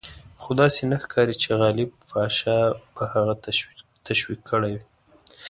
خو داسې نه ښکاري چې غالب پاشا به هغه تشویق کړی وي.